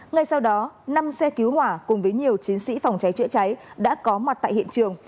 ngay sau đó năm xe cứu hỏa cùng với nhiều chiến sĩ phòng cháy chữa cháy đã có mặt tại hiện trường